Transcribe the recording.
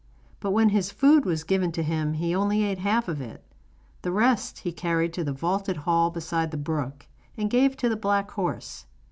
But when his food was given to him he only ate half of it; the rest he carried to the vaulted hall beside the brook, and gave to the black horse.